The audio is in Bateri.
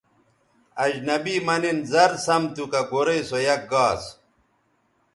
اجنبی مہ نِن زر سَم تھو کہ گورئ سو یک گاس